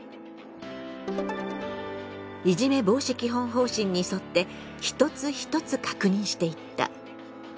「いじめ防止基本方針」に沿って一つ一つ確認していった。